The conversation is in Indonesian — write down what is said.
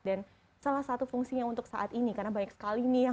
dan salah satu fungsinya untuk saat ini karena banyak sekali nih